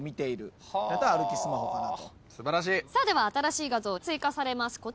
新しい画像追加されます。